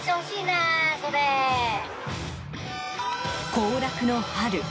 行楽の春。